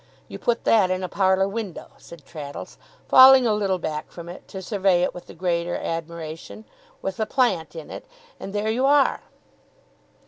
You put that in a parlour window,' said Traddles, falling a little back from it to survey it with the greater admiration, 'with a plant in it, and and there you are!